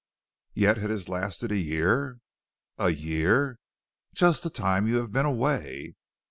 "Yet it has lasted a year." "A year?" "Just the time you have been away."